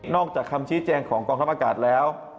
จากคำชี้แจงของกองทัพอากาศแล้ว